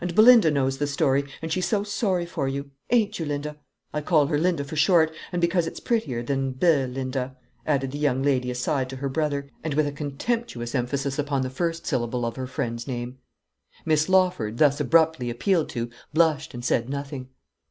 And Belinda knows the story, and she's so sorry for you. Ain't you, Linda? I call her Linda for short, and because it's prettier than Be linda," added the young lady aside to her brother, and with a contemptuous emphasis upon the first syllable of her friend's name. Miss Lawford, thus abruptly appealed to, blushed, and said nothing.